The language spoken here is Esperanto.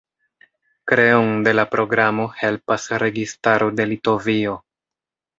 Kreon de la programo helpas registaro de Litovio.